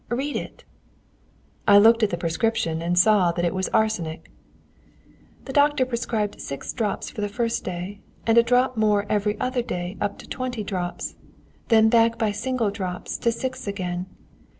Read it!" I looked at the prescription and saw it was arsenic. "The doctor prescribed six drops for the first day, and a drop more every other day up to twenty drops, and then back by single drops to six again.